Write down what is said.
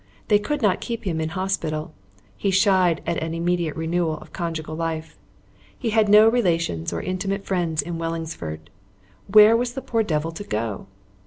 They could not keep him in hospital. He shied at an immediate renewal of conjugal life. He had no relations or intimate friends in Wellingsford. Where was the poor devil to go?